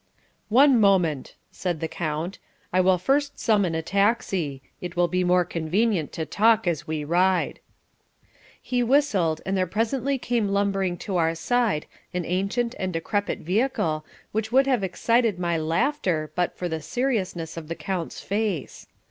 "One moment," said the count. "I will first summon a taxi. It will be more convenient to talk as we ride." He whistled and there presently came lumbering to our side an ancient and decrepit vehicle which would have excited my laughter but for the seriousness of the count's face.